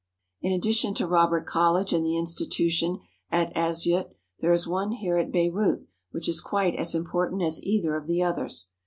In addition to Robert College and the institution at Asyut there is one here at Beirut which is quite as im portant as either of the others.